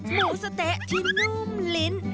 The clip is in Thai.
หมูสะเต๊ะที่นุ่มลิ้น